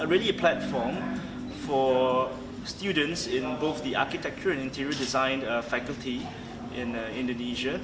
ini adalah platform untuk mahasiswa di sekitar kawasan arsitektur dan desain interior di indonesia